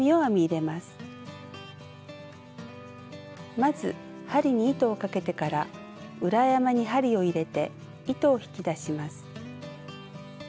まず針に糸をかけてから裏山に針を入れて糸を引き出します。